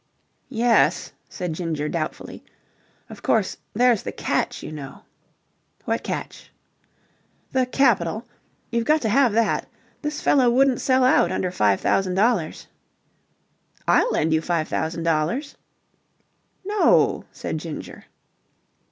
"Yes," said Ginger doubtfully. "Of course, there's the catch, you know." "What catch?" "The capital. You've got to have that. This fellow wouldn't sell out under five thousand dollars." "I'll lend you five thousand dollars." "No!" said Ginger.